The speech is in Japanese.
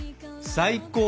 最高！